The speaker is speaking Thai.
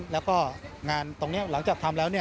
แล้วก็งานตรงนี้หลังจากทำแล้ว